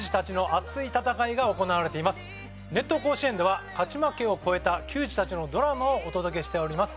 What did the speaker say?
『熱闘甲子園』では勝ち負けを超えた球児たちのドラマをお届けしております。